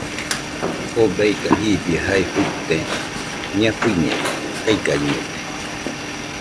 ¿Oo beika jibie jae fuite?nia fuiñede, kaigañede.